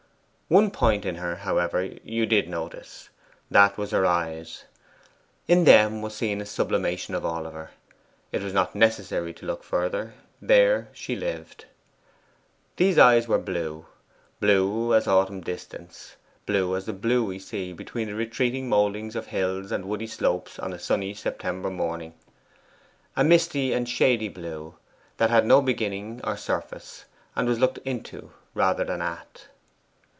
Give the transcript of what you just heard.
One point in her, however, you did notice: that was her eyes. In them was seen a sublimation of all of her; it was not necessary to look further: there she lived. These eyes were blue; blue as autumn distance blue as the blue we see between the retreating mouldings of hills and woody slopes on a sunny September morning. A misty and shady blue, that had no beginning or surface, and was looked INTO rather than AT.